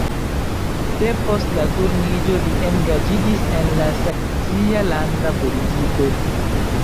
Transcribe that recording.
De post la Turniĝo li engaĝiĝis en la saksia landa politiko.